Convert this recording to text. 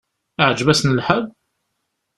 Iɛǧeb-asen lḥal?